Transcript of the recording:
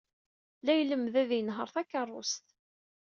La ilemmed ad yenheṛ takeṛṛust.